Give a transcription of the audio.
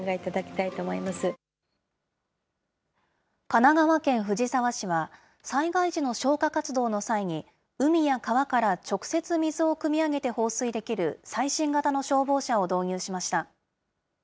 神奈川県藤沢市は、災害時の消火活動の際に、海や川から直接、水をくみ上げて放水できる最新型の消防車を導入しました。